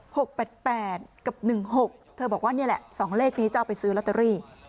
หกแปดแปดกับหนึ่งหกเธอบอกว่านี่แหละสองเลขนี้จะเอาไปซื้อลอตเตอรี่